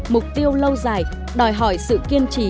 mục tiêu lâu dài đòi hỏi sự kiên trì